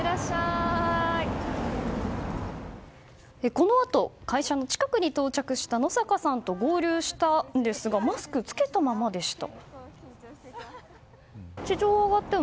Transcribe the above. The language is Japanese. このあと会社の近くに到着した野坂さんと合流したんですがマスクを着けたままでした。